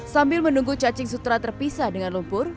sambil menunggu cacing sutra terpisah dengan lumpur